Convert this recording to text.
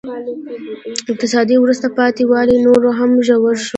اقتصادي وروسته پاتې والی نور هم ژور شو.